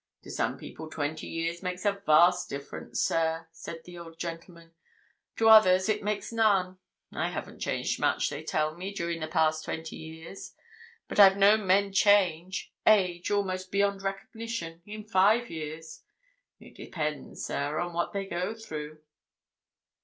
"To some people twenty years makes a vast difference, sir," said the old gentleman. "To others it makes none—I haven't changed much, they tell me, during the past twenty years. But I've known men change—age, almost beyond recognition!—in five years. It depends, sir, on what they go through."